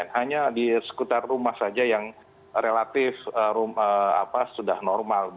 hanya di sekitar rumah saja yang relatif sudah normal